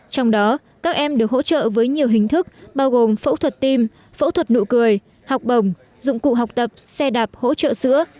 trong đó các em được hỗ trợ với nhiều hình thức bao gồm phẫu thuật tim phẫu thuật nụ cười học bổng dụng cụ học tập xe đạp hỗ trợ sữa